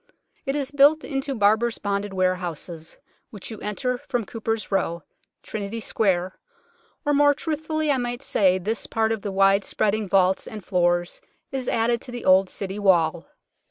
It is built into Barbers' Bonded Warehouses, which you enter from Cooper's Row, Trinity Square or more truthfully I might say this part of the wide spreading vaults and floors is added to the old City Wall.